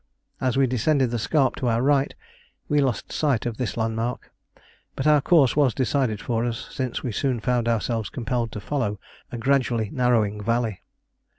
As we descended the scarp to our right we lost sight of this landmark; but our course was decided for us, since we soon found ourselves compelled to follow a gradually narrowing valley.